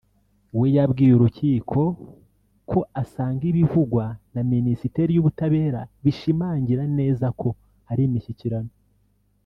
we yabwiye urukiko ko asanga ibivugwa na Minisiteri y’ubutabera bishimangira neza ko hari imishyikirano